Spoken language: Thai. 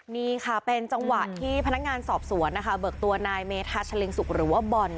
นี่ค่ะเป็นจังหวะที่พนักงานสอบสวนนะคะเบิกตัวนายเมธาชะลิงสุกหรือว่าบอล